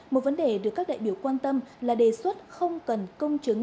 một vấn đề được các đại biểu quan tâm là đề xuất không cần công chứng